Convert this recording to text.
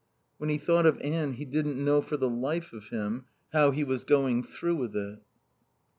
When he thought of Anne he didn't know for the life of him how he was going through with it.